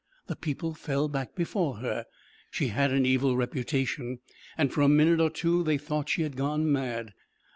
The people fell back before her. She had an evil reputation, and for a minute or two they thought she had gone mad.